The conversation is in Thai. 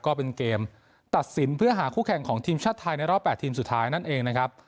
ก็เป็นเกมตัดสินเพื่อหาคู่แข่งของทีมชาติไทยในรอบ๘ทีมสุดท้ายนั่นเองนะครับ